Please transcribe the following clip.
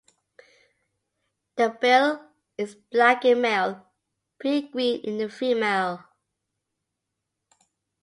The bill is black in male, pea-green in the female.